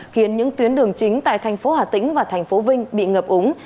khiến những tuyến đường chính tại thành phố hà tĩnh và thành phố vinh bị ngập úng